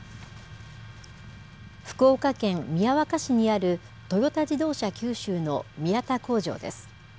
福岡県宮若市にあるトヨタ自動車九州の宮田工場です。